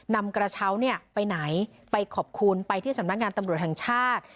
นำกระเช้าเนี่ยไปไหนไปขอบคุณไปที่สำนักงานตำรวจแห่งชาติ